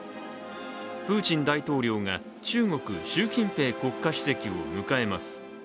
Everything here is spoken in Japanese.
プーチン大統領が中国習近平国家主席を迎えます。